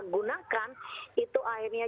gunakan itu akhirnya